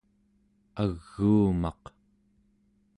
aguumaq